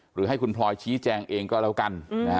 หรือให้คุณพลอยชี้แจงเองก็แล้วกัน